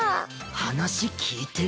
話聞いてる？